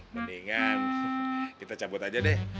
mendingan kita cabut aja deh